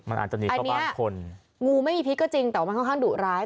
อันนี้งูไม่มีพิษจริงแต่มันค่อนข้างดุร้าย